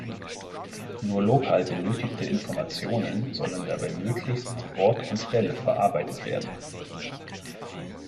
Nur lokal benötigte Informationen sollen dabei möglichst an „Ort und Stelle“ verarbeitet werden.